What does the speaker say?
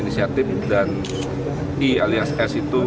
inisiatif dan i alias s itu